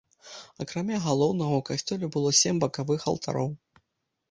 Акрамя галоўнага, у касцёле было сем бакавых алтароў.